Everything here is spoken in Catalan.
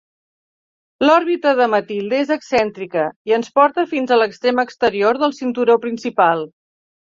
L'òrbita de Mathilde és excèntrica, i ens porta fins a l'extrem exterior del cinturó principal.